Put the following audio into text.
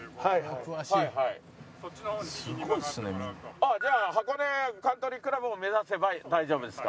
ああじゃあ箱根カントリー倶楽部を目指せば大丈夫ですか？